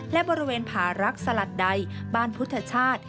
และบริเวณผารักสลัดใดบ้านพุทธชาติ